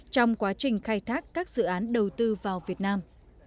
trong quá trình khai thác các dự án đầu tư vào việt nam